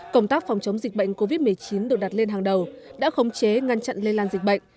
công tác phòng chống dịch bệnh covid một mươi chín được đặt lên hàng đầu đã khống chế ngăn chặn lây lan dịch bệnh